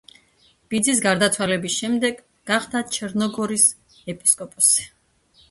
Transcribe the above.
ბიძის გარდაცვალების შემდეგ გახდა ჩერნოგორიის ეპისკოპოსი.